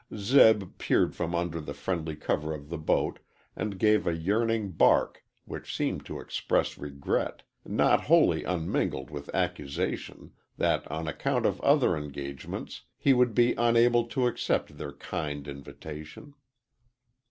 Zeb peered from under the friendly cover of the boat, and gave a yearning bark which seemed to express regret, not wholly unmingled with accusation, that on account of other engagements he would be unable to accept their kind invitation.